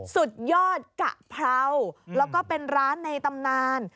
สุดยอดกะเพราแล้วก็เป็นร้านในตำนาน